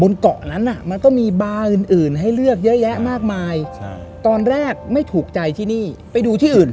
แล้วโดนให้ยอมทิวอยู่ที่อื่น